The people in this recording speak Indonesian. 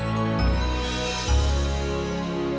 terima kasih pak